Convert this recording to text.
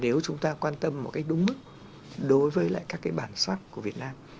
nếu chúng ta quan tâm một cách đúng mức đối với lại các cái bản soát của việt nam